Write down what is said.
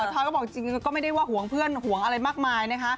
ทอยก็บอกจริงก็ไม่ได้ว่าห่วงเพื่อนห่วงอะไรมากมายนะคะ